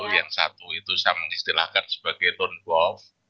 yang satu itu saya mengistilahkan sebagai non golf